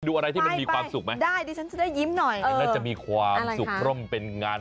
ดูอะไรที่มันมีความสุขไหมนะครับมาก